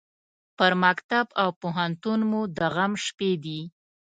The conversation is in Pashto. پر مکتب او پوهنتون مو د غم شپې دي